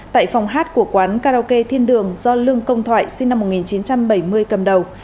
tại phòng hát của quán karaoke thiên đường do lương công thoại sinh năm một nghìn chín trăm bảy mươi cầm đầu